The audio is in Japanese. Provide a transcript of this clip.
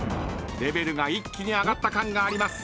［レベルが一気に上がった感があります